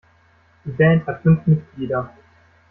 Die Band hat fünf Mitglieder.